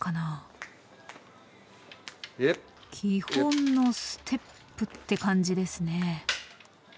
基本のステップって感じですね。